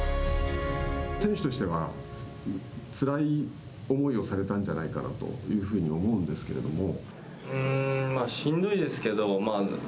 選手としてはつらい思いをされたんじゃないかなというふうに思うんですけれども。